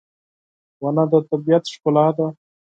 • ونه د طبیعت ښکلا ده.